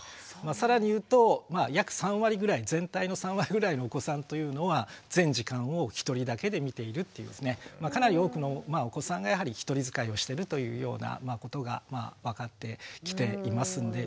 更に言うと約３割ぐらい全体の３割ぐらいのお子さんというのは全時間を一人だけで見ているというかなり多くのお子さんがやはり一人使いをしてるというようなことが分かってきていますんで。